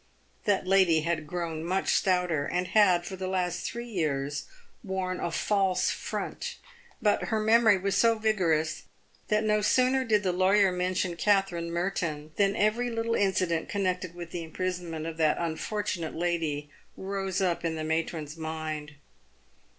That lady had grown much stouter, and had for the last three years worn a false front, but her memory was so vigorous, that no sooner did the lawyer mention Katherine Merton, than every little incident connected with the imprisonment of that unfortunate lady rose up in the matron's mind.